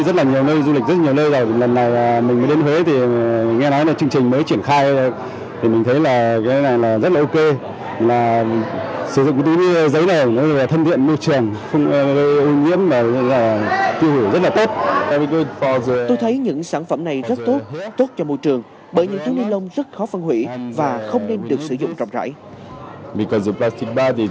tôi thấy những sản phẩm này rất tốt tốt cho môi trường bởi những thứ ni lông rất khó phân hủy và không nên được sử dụng rộng rãi